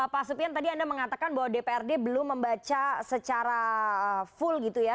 pak supian tadi anda mengatakan bahwa dprd belum membaca secara full gitu ya